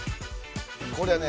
これはね